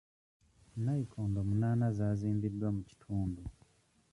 Nnayikondo munaana zaazimbiddwa mu kitundu.